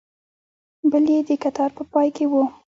بل یې د کتار په پای کې و.